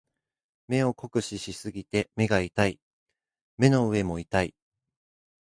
目を酷使しすぎて目が痛い。目の上も痛い。